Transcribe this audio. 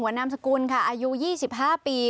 ศรกุลค่ะอายูยี่สิบห้าปี